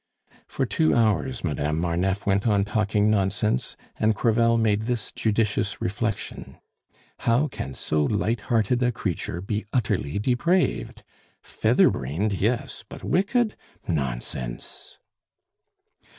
For two hours Madame Marneffe went on talking nonsense, and Crevel made this judicious reflection: "How can so light hearted a creature be utterly depraved? Feather brained, yes! but wicked? Nonsense!"